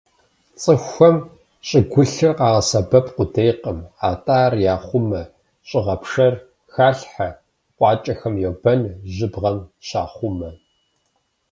ЦӀыхухэм щӀыгулъыр къагъэсэбэп къудейкъым, атӀэ ар яхъумэ: щӀыгъэпшэр халъхьэ, къуакӀэхэм йобэн, жьыбгъэм щахъумэ.